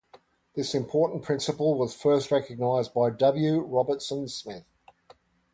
This important principle was first recognized by W. Robertson Smith.